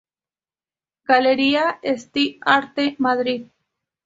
Galería Esti-Arte, Madrid.